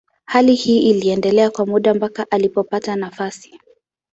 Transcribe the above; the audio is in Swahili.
Hali hii iliendelea kwa muda mpaka alipopata nafasi.